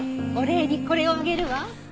お礼にこれをあげるわ。